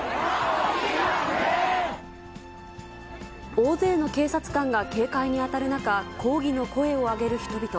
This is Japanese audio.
大勢の警察官が警戒に当たる中、抗議の声を上げる人々。